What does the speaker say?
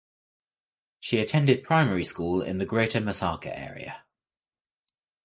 She attended primary school in the greater Masaka area.